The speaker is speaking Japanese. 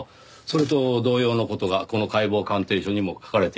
それと同様の事がこの解剖鑑定書にも書かれています。